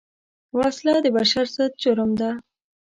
وسله د بشر ضد جرم ده